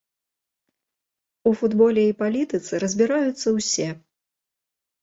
У футболе і палітыцы разбіраюцца ўсе.